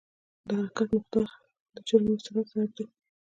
د حرکت مقدار د جرم او سرعت ضرب دی.